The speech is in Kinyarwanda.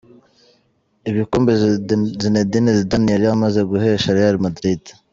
Ibikombe Zinedine Zidane yari amaze guhesha Real Madrid:.